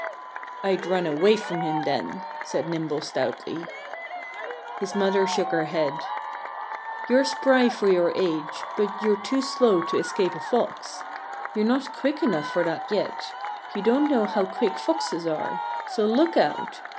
"I'd run away from him then," said Nimble stoutly. His mother shook her head. "You're spry for your age. But you're too slow to escape a Fox. You're not quick enough for that yet. You don't know how quick Foxes are. So look out!